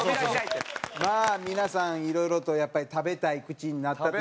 まあ皆さんいろいろとやっぱり食べたい口になったという事で。